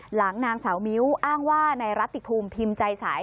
หลังนางสาวมิ้วอ้างว่าในรัติภูมิพิมพ์ใจสาย